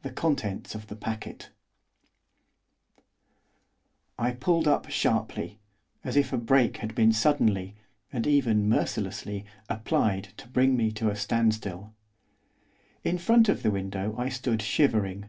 THE CONTENTS OF THE PACKET I pulled up sharply, as if a brake had been suddenly, and even mercilessly, applied to bring me to a standstill. In front of the window I stood shivering.